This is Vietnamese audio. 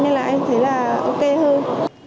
nên là em thấy là ok hơn